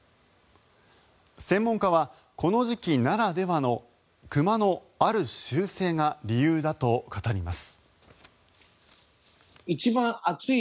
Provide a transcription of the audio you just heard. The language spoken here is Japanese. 専門家は、この時期ならではの熊のある習性が理由だと語ります。